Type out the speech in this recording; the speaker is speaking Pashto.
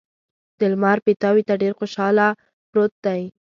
د لمر پیتاوي ته ډېر خوشحاله پروت دی.